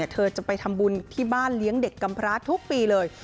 เธอจะไปทำบุญที่บ้านเลี้ยงเด็กกำพระทุกปีเลย